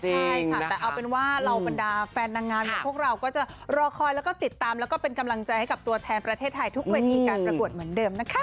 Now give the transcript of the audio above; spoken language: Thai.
ใช่ค่ะแต่เอาเป็นว่าเหล่าบรรดาแฟนนางงามอย่างพวกเราก็จะรอคอยแล้วก็ติดตามแล้วก็เป็นกำลังใจให้กับตัวแทนประเทศไทยทุกเวทีการประกวดเหมือนเดิมนะคะ